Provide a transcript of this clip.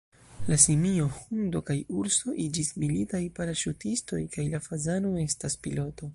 La simio, hundo kaj urso iĝis militaj paraŝutistoj kaj la fazano estas piloto.